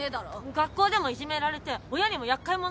学校でもいじめられて親にも厄介者扱いされて。